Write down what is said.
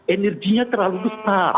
energinya terlalu besar